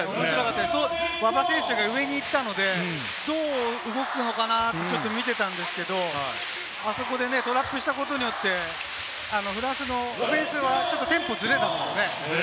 馬場選手が上に行ったので、どう動くのかなと見てたんですけれども、あそこでトラップしたことによって、フランスのオフェンスはちょっとテンポがずれたと思いますね。